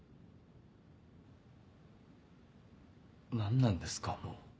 何なんですかもう。